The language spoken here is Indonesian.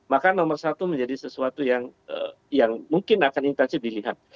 maka nomor satu menjadi sesuatu yang mungkin akan intensif dilihat